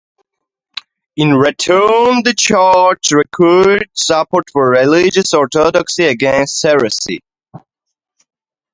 In return the church required support for religious orthodoxy against heresy.